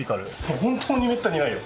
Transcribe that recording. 本当にめったにないよ。